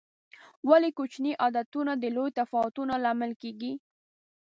ولې کوچیني عادتونه د لویو تفاوتونو لامل کېږي؟